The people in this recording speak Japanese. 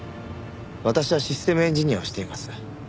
私はシステムエンジニアをしています。